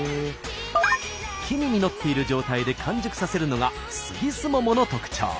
木に実っている状態で完熟させるのが杉すももの特徴。